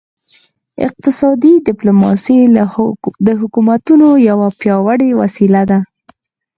اقتصادي ډیپلوماسي د حکومتونو یوه پیاوړې وسیله ده